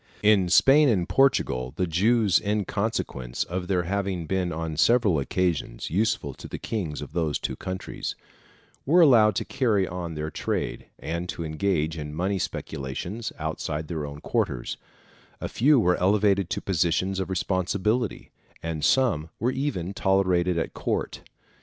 In Spain and in Portugal, the Jews, in consequence of their having been on several occasions useful to the kings of those two countries, were allowed to carry on their trade, and to engage in money speculations, outside their own quarters; a few were elevated to positions of responsibility, and some were even tolerated at court.